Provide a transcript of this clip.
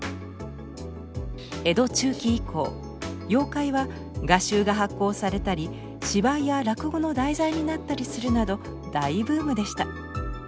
江戸中期以降妖怪は画集が発行されたり芝居や落語の題材になったりするなど大ブームでした。